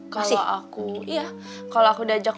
kalau aku udah ajak